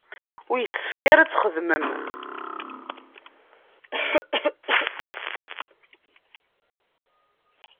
Ur yessefk ara ad txedmem.